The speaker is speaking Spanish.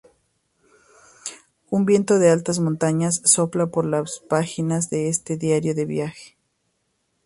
Un viento de altas montañas sopla por las páginas de este diario de viaje.